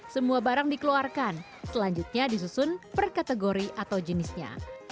semua barang dikeluarkan selanjutnya disusun per kategori atau jenisnya